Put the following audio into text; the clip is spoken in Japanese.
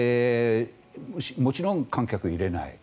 もちろん観客を入れない。